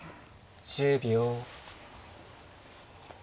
１０秒。